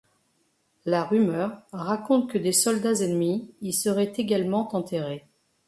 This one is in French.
La rumeur raconte que des soldats ennemis y seraient également enterrés.